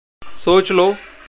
सोच लो।